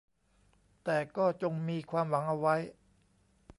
แต่ก็จงมีความหวังเอาไว้